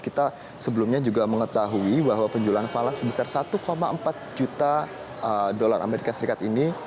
kita sebelumnya juga mengetahui bahwa penjualan falas sebesar satu empat juta dolar amerika serikat ini